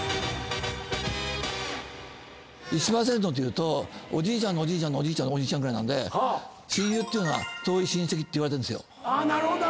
１％というとおじいちゃんのおじいちゃんのおじいちゃんのおじいちゃんぐらいなんで親友っていうのは遠い親戚って言われてるんですよ。